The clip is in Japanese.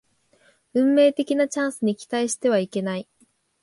運命的なチャンスに期待してはいけない